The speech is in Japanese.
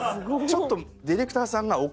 ちょっと。